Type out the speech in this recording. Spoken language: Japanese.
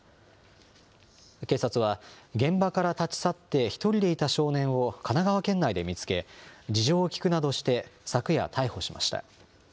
警察は、現場から立ち去って１人でいた少年を神奈川県内で見つけ、事情を聴くなどして、昨夜、逮捕しました。